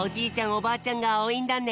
おばあちゃんがおおいんだね。